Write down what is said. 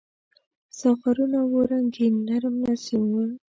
ساغرونه وو رنګین ، نرم نسیم و